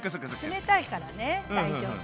冷たいからね大丈夫。